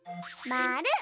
まる。